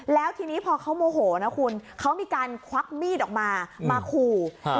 แล้วทีนี้พอเขาโมโหนะคุณเขามีการควักมีดออกมามาขู่